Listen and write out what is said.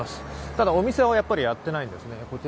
ただ、お店はやっぱりやっていないんですね。